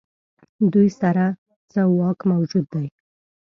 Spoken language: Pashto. دوی سره څه واک موجود دی.